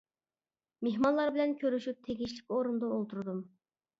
مېھمانلار بىلەن كۆرۈشۈپ تېگىشلىك ئورۇندا ئولتۇردۇم.